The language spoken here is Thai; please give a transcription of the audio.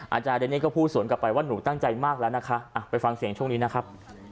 อาจารย์เดเน่ก็พูดสวนกลับไปว่าหนูตั้งใจมากแล้วนะคะไปฟังเสียงช่วงนี้นะครับ